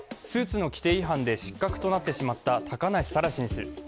スーツの規定違反で失格となってしまった高梨沙羅選手。